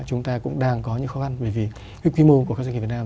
chúng ta cũng đang có những khó khăn bởi vì cái quy mô của các doanh nghiệp việt nam